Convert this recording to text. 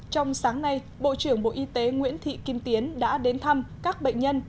trong sáng nay bộ trưởng bộ y tế nguyễn thị kim tiến đã đến thăm các bệnh nhân